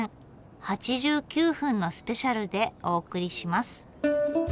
８９分のスペシャルでお送りします。